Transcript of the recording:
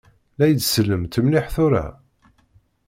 La yi-d-sellemt mliḥ tura?